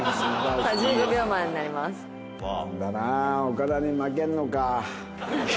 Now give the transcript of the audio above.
岡田に負けるのか。